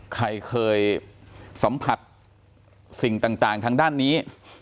ใครเคยสัมผัสสิ่งต่างทางด้านนี้